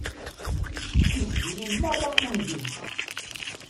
Tifdulin merra undint.